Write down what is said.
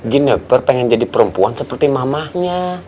gineper pengen jadi perempuan seperti mamahnya